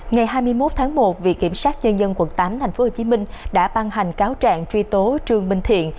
ngày hai mươi một tháng một viện kiểm sát nhân dân quận tám tp hcm đã ban hành cáo trạng truy tố trương minh thiện